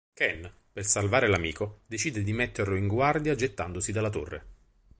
Ken, per salvare l'amico, decide di metterlo in guardia gettandosi dalla torre.